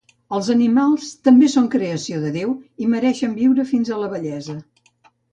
Els animals també són creació de Déu i mereixen viure fins a la vellesa